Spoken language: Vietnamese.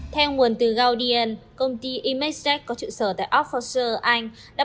theo nguồn từ gaudian công ty imagejet có trụ sở tại oxford anh